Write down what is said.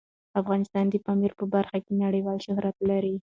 افغانستان د پامیر په برخه کې نړیوال شهرت لري.